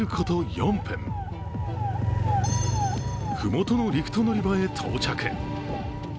４分麓のリフト乗り場へ到着。